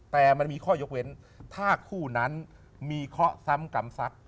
แต่มันมีข้อยกเว้นถ้าคู่นั้นมีเคาะซ้ำกรรมซัด